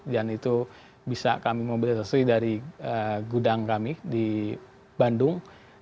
dan itu bisa kami mobilisasi dari gudang kami di bandung